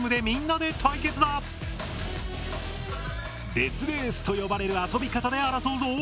「デスレース」と呼ばれる遊び方で争うぞ。